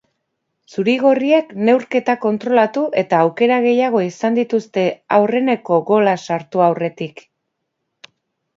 Zuri-gorriek neurketa kontrolatu eta aukera gehiago izan dituzte aurreneko gola sartu aurretik.